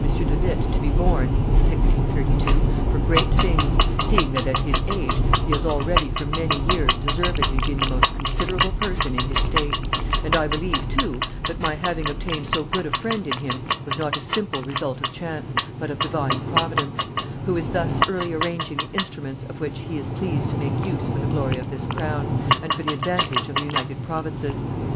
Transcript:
de Witt to be born [in 1632] for great things, seeing that, at his age, he has already for many years deservedly been the most considerable person in his state; and I believe, too, that my having obtained so good a friend in him was not a simple result of chance, but of Divine Providence, who is thus early arranging the instruments of which He is pleased to make use for the glory of this crown, and for the advantage of the United Provinces.